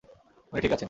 উনি ঠিক আছেন।